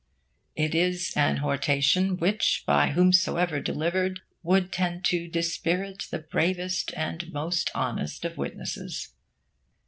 It is an hortation which, by whomsoever delivered, would tend to dispirit the bravest and most honest of witnesses.